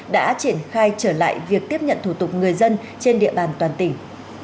đã triển khai trở lại việc tiếp nhận thủ tục người dân trên địa bàn toàn tỉnh